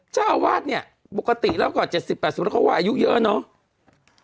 เจ้าอาวาทปกตินอกกว่า๗๐๘๐แล้วเขาว่าอายุเยอะเนอะ